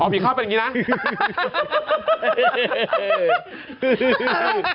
ผีเข้าเป็นอย่างนี้นะ